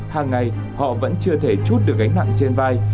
hàng ngày họ vẫn chưa thể chút được gánh nặng trên vai